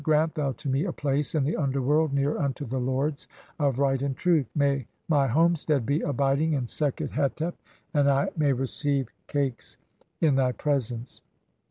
Grant thou to me a place in the underworld near unto "the lords of (4) right and truth. May my homestead be abiding "in Sekhet hetep, and may I receive cakes in thy presence."